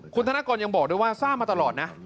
คุณธนกรยังบอกด้วยว่าทราบมาตลอดนะ